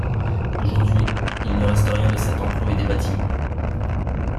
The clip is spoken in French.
Aujourd'hui, il ne reste rien de cet enclos et des bâtiments.